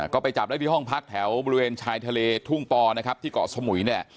ก็ไปจับได้ที่ห้องพักแถวบริเวณชายทาเลถุงพรที่เกาะสมุย